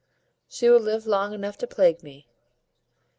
She will live long enough to plague me."